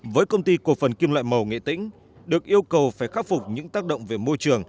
với công ty cổ phần kim loại màu nghệ tĩnh được yêu cầu phải khắc phục những tác động về môi trường